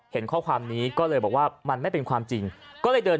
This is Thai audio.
เห็นข้อความนี้ก็เลยบอกว่ามันไม่เป็นความจริงก็เลยเดิน